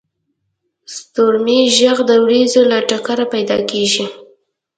• د ستورمې ږغ د ورېځو له ټکره پیدا کېږي.